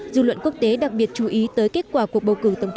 dư luận quốc tế đặc biệt chú ý tới kết quả cuộc bầu cử